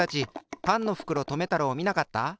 パンのふくろとめたろうをみなかった？